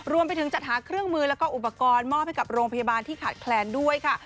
จัดหาเครื่องมือแล้วก็อุปกรณ์มอบให้กับโรงพยาบาลที่ขาดแคลนด้วยค่ะ